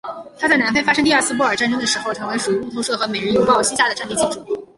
他在南非发生第二次布尔战争的时候成为属于路透社和每日邮报膝下的战地记者。